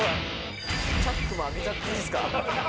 チャックも開けちゃっていいですか？